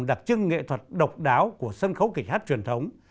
đặc trưng nghệ thuật độc đáo của sân khấu kịch hát truyền thống